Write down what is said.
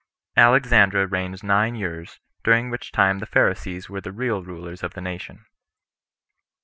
Alexandra Reigns Nine Years, During Which Time The Pharisees Were The Real Rulers Of The Nation.